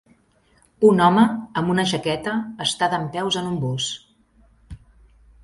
Un home amb una jaqueta està dempeus en un bus.